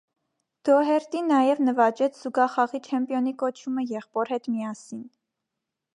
Դոհերտի նաև նվաճեց զուգախաղի չեմպիոնի կոչումը եղբոր հետ միասին։